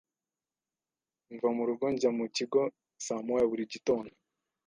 Mva mu rugo njya mu kigo saa moya buri gitondo.